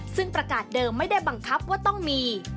ซึ่งประกาศเดิมไม่ได้บังคับว่าต้องมี